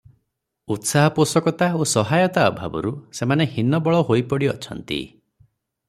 ଉତ୍ସାହପୋଷକତା ଓ ସହାୟତା ଅଭାବରୁ ସେମାନେ ହୀନବଳ ହୋଇ ପଡ଼ିଅଛନ୍ତି ।